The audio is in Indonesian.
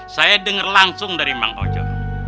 saya dengar langsung dari bang ojo